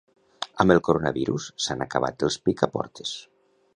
Amb el coronavirus s'han acabat els picaportes